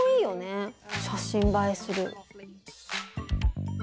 写真映えする。